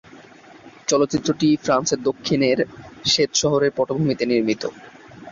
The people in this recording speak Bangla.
চলচ্চিত্রটি ফ্রান্সের দক্ষিণের সেত শহরের পটভূমিতে নির্মিত।